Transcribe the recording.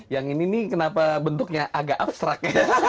yang ini nih kenapa bentuknya agak abstrak